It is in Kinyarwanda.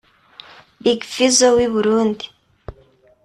Big Fizzo w’i Burundi